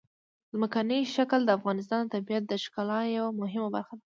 ځمکنی شکل د افغانستان د طبیعت د ښکلا یوه مهمه برخه ده.